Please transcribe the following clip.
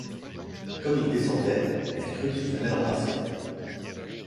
Comme il descendait, elle crut qu'il venait l'embrasser.